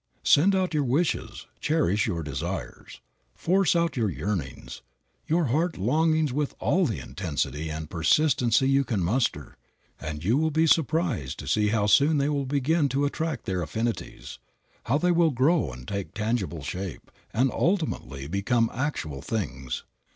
Send out your wishes, cherish your desires, force out your yearnings, your heart longings with all the intensity and persistency you can muster, and you will be surprised to see how soon they will begin to attract their affinities, how they will grow and take tangible shape, and ultimately become actual things.